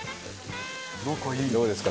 どうですか？